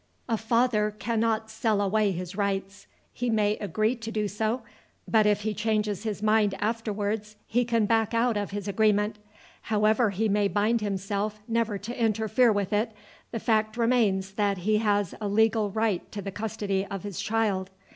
A father cannot sell away his rights; he may agree to do so, but if he changes his mind afterwards he can back out of his agreement. However he may bind himself never to interfere with it, the fact remains that he has a legal right to the custody of his child.